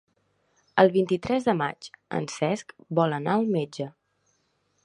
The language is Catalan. El vint-i-tres de maig en Cesc vol anar al metge.